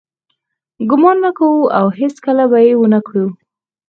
ګمان نه کوو او هیڅکله به یې ونه کړو.